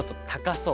そう。